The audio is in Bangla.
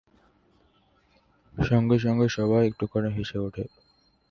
সঙ্গে সঙ্গে সবাই একটুখানি হেসে ওঠে।